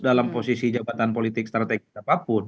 dalam posisi jabatan politik strategis apapun